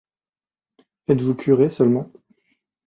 Êtes-vous curé seulement?